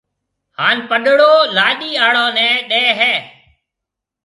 ھان پڏڙو لاڏِي آݪو نيَ ڏيَ ھيََََ